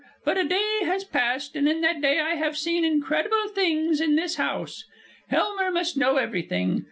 But a day has passed, and in that day I have seen incredible things in this house! Helmer must know everything!